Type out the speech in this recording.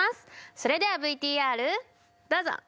それではＶＴＲどうぞ！